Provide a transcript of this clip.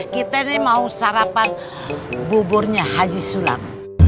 kita ini mau sarapan buburnya haji sulam